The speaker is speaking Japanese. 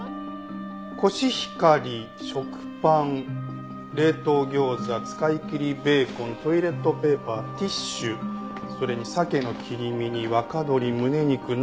コシヒカリ食パン冷凍餃子使いきりベーコントイレットペーパーティッシュそれに鮭の切り身に若鶏胸肉などなど。